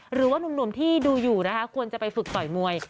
หนุ่มที่ดูอยู่นะคะควรจะไปฝึกต่อยมวย